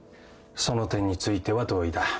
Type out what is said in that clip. その点については同意だ。